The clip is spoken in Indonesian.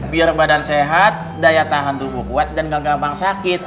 biar badan sehat daya tahan tubuh kuat dan gak gampang sakit